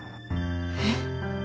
えっ！？